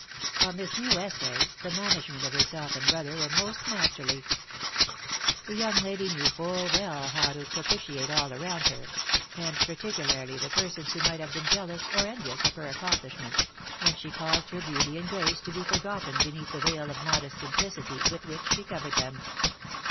On this new essay, the management of herself and brother were most masterly. The young lady knew full well how to propitiate all around her, and particularly the persons who might have been jealous or envious of her accomplishments, and she caused her beauty and grace to be forgotten beneath the veil of modest simplicity with which she covered them.